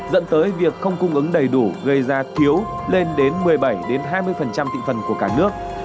dẫn tới việc không cung ứng đầy đủ gây ra thiếu lên đến một mươi bảy đến hai mươi phần trăm tịnh phần của cả nước